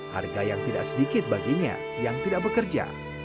harga yang tidak sedikit baginya yang tidak bekerja